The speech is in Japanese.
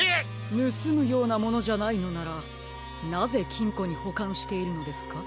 ぬすむようなものじゃないのならなぜきんこにほかんしているのですか？